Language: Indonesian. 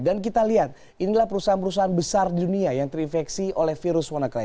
dan kita lihat inilah perusahaan perusahaan besar di dunia yang terinfeksi oleh virus wannacry